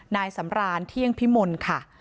นายสำรานเที่ยงพิมลค่ะ